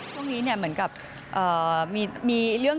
ช่วงนี้เหมือนกับมีเรื่อง